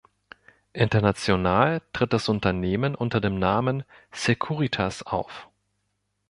International tritt das Unternehmen unter dem Namen Securitas auf.